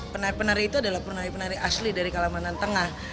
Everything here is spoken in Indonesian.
penari penari itu adalah penari penari asli dari kalimantan tengah